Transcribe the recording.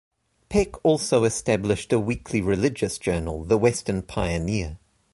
Peck also established a weekly religious journal, the Western Pioneer.